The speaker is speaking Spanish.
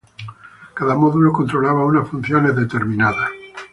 Cada módulo controlaba unas funciones determinadas.